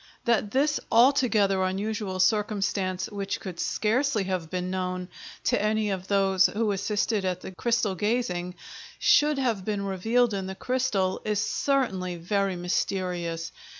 That this altogether unusual circumstance, which could scarcely have been known to any of those who assisted at the crystal gazing, should have been revealed in the crystal, is certainly very mysterious.